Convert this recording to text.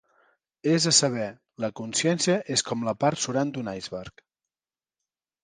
És a saber, la consciència és com la part surant d'un iceberg.